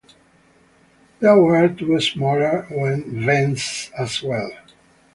There were two smaller vents as well.